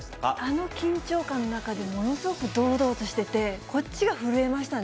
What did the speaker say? あの緊張感の中で、ものすごく堂々としてて、こっちが震えましたね。